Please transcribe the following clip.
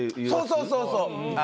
そうそうそうそう！